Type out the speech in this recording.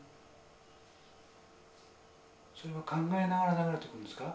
それは考えながら流れてくるんですか？